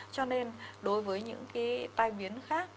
cho nên đối với những cái tai biến khác